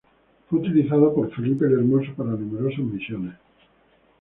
Fue utilizado por Felipe el Hermoso para numerosas misiones.